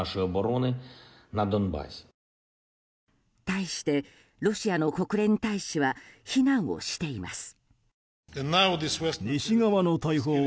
対して、ロシアの国連大使は非難をしています。